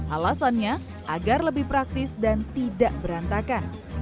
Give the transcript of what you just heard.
alasannya agar lebih praktis dan tidak berantakan